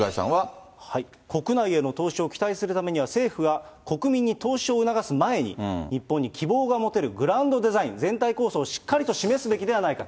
国内への投資を期待するためには、政府が国民に投資を促す前に日本に希望が持てるグランドデザイン・全体構想をしっかりと示すべきではないか。